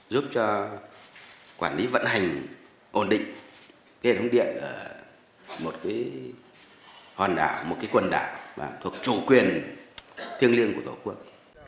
giúp cho quản lý vận hành ổn định hệ thống điện ở một cái quần đảo thuộc chủ quyền thiêng liêng của tổ quốc